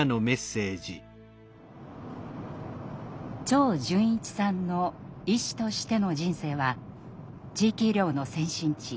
長純一さんの医師としての人生は地域医療の先進地